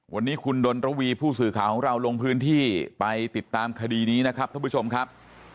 วันนี้คุณดนระวีผู้สื่อข่าวของเราลงพื้นที่ไปติดตามคดีนี้นะครับท่านผู้ชมครับ